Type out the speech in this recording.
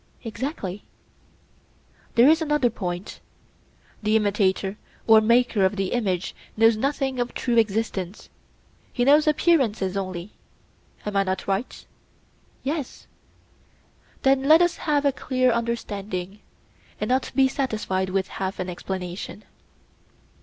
Exactly. Here is another point: The imitator or maker of the image knows nothing of true existence; he knows appearances only. Am I not right? Yes. Then let us have a clear understanding, and not be satisfied with half an explanation.